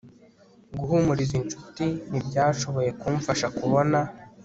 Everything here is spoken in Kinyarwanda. guhumuriza inshuti ntibyashoboye kumfasha kubona